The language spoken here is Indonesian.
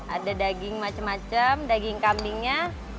ada daging macam macam daging kambingnya